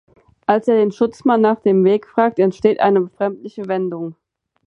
Als er den Schutzmann nach dem Weg fragt, entsteht eine befremdliche Wendung.